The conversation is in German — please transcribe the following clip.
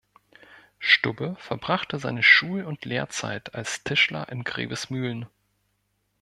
Stubbe verbrachte seine Schul- und Lehrzeit als Tischler in Grevesmühlen.